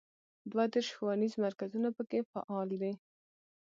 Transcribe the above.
دوه دیرش ښوونیز مرکزونه په کې فعال دي.